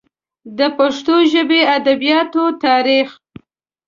د پښتو ژبې ادبیاتو تاریخ